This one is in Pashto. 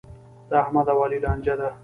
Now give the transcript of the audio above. د احمد او علي لانجه ده.